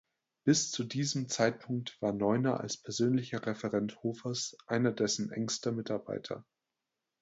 Bis zu diesem Zeitpunkt war Neuner als persönlicher Referent Hofers einer dessen engster Mitarbeiter.